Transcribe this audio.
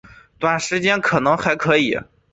短时间可能还可以